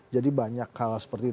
jadi banyak hal seperti itu